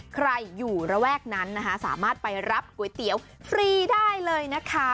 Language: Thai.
ใครอยู่ระแวกนั้นนะคะสามารถไปรับก๋วยเตี๋ยวฟรีได้เลยนะคะ